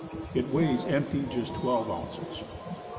It weighs, empty, just twelve ounces.